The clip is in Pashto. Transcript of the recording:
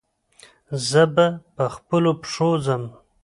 زه به پخپلو پښو ځم.